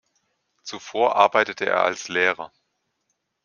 Zuvor arbeitete er als Lehrer.